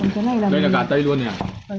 còn cái này là mình chưa nọc đâu đúng không